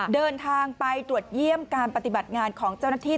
เดินทางไปตรวจเยี่ยมการปฏิบัติงานของเจ้าหน้าที่